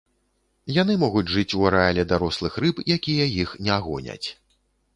Яны могуць жыць у арэале дарослых рыб, якія іх не гоняць.